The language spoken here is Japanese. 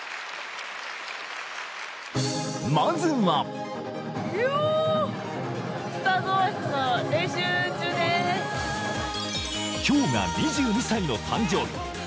まずは今日が２２歳の誕生日。